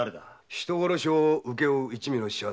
人殺しを請け負う一味の仕業かと。